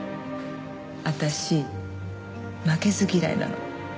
私負けず嫌いなの。